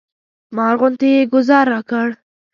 مار غوندې یې ګوزار راکړ.